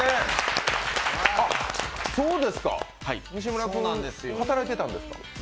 そうですか、西村君働いてたんですか？